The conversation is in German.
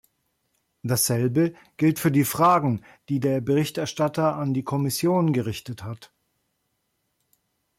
Dasselbe gilt für die Fragen, die der Berichterstatter an die Kommission gerichtet hat.